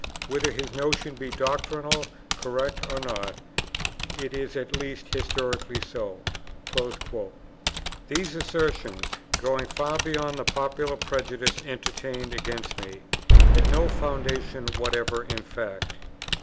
Whether his notion be doctrinally correct or not, it is at least historically so." These assertions, going far beyond the popular prejudice entertained against me, had no foundation whatever in fact.